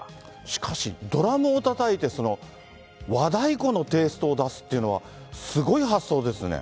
しかし、ドラムをたたいて、その和太鼓のテイストを出すっていうのは、すごい発想ですね。